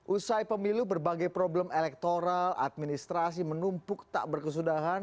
usai pemilu berbagai problem elektoral administrasi menumpuk tak berkesudahan